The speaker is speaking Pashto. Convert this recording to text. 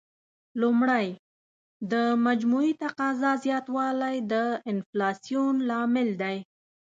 لومړی: د مجموعي تقاضا زیاتوالی د انفلاسیون لامل دی.